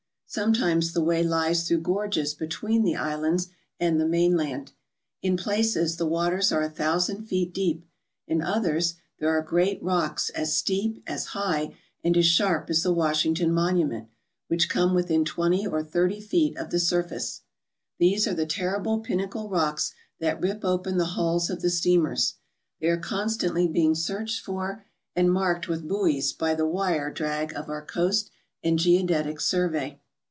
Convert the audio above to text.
Sometimes the way lies through gorges between the islands and the main land. In places the waters are a thousand feet deep. In others, there are great rocks as steep, as high, and as sharp as the Washington Monument, which come within twenty or thirty feet of the surface. These are the terrible pinnacle rocks that rip open the hulls of the steamers. They are constantly being searched for and marked with buoys by the wire drag of our Coast and Geodetic Survey.